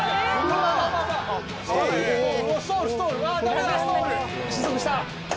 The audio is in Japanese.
ダメだストール！失速した。